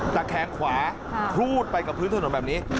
แขนขวาครูดไปกับพื้นถนนแบบนี้